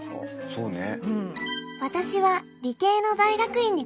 そうね。